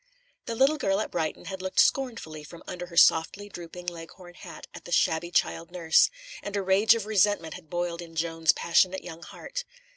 The little girl at Brighton had looked scornfully from under her softly drooping Leghorn hat at the shabby child nurse, and a rage of resentment had boiled in Joan's passionate young heart.